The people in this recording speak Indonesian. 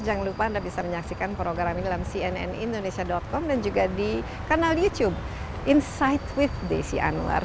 jangan lupa anda bisa menyaksikan program ini dalam cnn indonesia com dan juga di kanal youtube insight with desi anwar